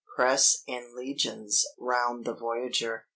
press in legions round the voyager.